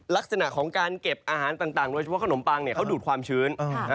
ลักษณะของการเก็บอาหารต่างโดยเฉพาะขนมปังเขาดูดความชื้น